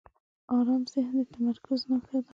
آرام ذهن د تمرکز نښه ده.